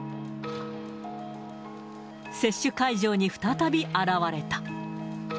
接種会場に再び現れた。